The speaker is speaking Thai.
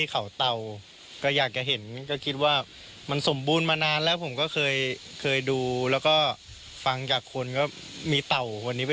กลายกับกลัวฉลามเลยนะครับ